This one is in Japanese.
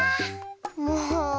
もう。